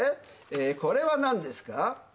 これはなんですか？